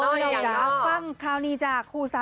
มันปั้งอีหรอกอีเหลือ